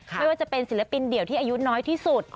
ไม่ว่าจะเป็นศิลปินเดี่ยวที่อายุน้อยที่สุด